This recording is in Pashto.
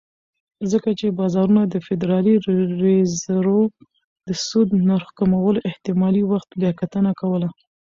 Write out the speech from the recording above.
ځکه چې بازارونه د فدرالي ریزرو د سود نرخ کمولو احتمالي وخت بیاکتنه کوله.